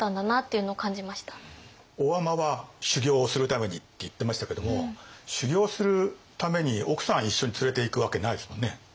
大海人は修行をするためにって言ってましたけども修行をするために奥さん一緒に連れていくわけないですもんね。